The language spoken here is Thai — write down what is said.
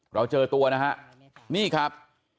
เราเจอตัวนะฮะนี่ครับ